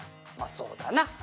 「まあそうだな。